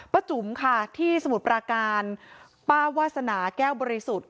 จุ๋มค่ะที่สมุทรปราการป้าวาสนาแก้วบริสุทธิ์